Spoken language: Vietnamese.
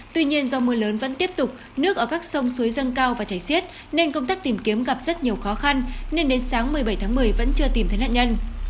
tuy nhiên do mưa lớn vẫn tiếp tục nước ở các sông suối dâng cao và chảy xiết nên công tác tìm kiếm gặp rất nhiều khó khăn nên đến sáng một mươi bảy tháng một mươi vẫn chưa tìm thấy nạn nhân